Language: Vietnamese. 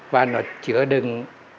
và nó chữa đừng